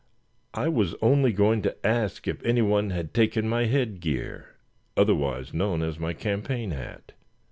"I was only going to ask if any one had taken my head gear, otherwise known as my campaign hat?